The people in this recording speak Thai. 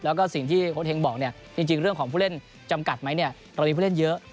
แล้วก็สิ่งที่โค้ดเฮงบอกเนี่ยจริงเรื่องของผู้เล่นจำกัดไหมเนี่ยเรามีผู้เล่นเยอะ